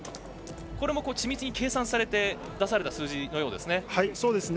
これも緻密に計算されて出された数字のようですね。